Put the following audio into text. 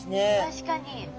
確かに。